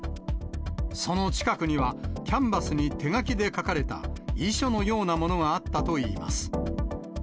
その近くには、キャンバスに手書きで書かれた遺書のようなものがあったといいます。